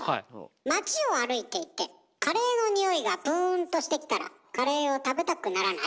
街を歩いていてカレーの匂いがぷんとしてきたらカレーを食べたくならない？